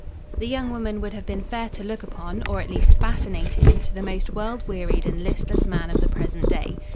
The young woman would have been fair to look upon, or at least fascinating, to the most world wearied and listless man of the present day.